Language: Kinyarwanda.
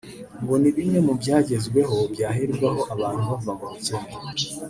ngo ni bimwe mu byagezweho byaherwaho abantu bava mu bukene